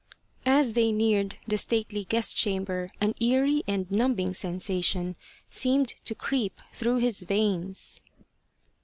As they neared the stately guest chamber an eerie and numbing sensation seemed to creep through his veins.